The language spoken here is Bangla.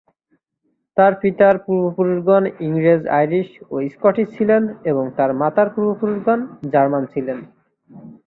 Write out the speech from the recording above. তার পিতার পূর্বপুরুষগণ ইংরেজ, আইরিশ, ও স্কটিশ ছিলেন এবং তার মাতার পূর্বপুরুষগণ জার্মান ছিলেন।